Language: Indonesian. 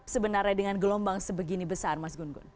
sebenarnya dengan gelombang sebegini besar mas gun gun